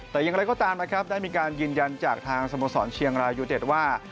แต่อย่างไรก็ตามนะครับได้มีการยืนยันจากทางสโมสรเชียงรายยูเต็ดว่า